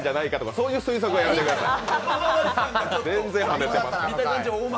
そういう推測はやめてください。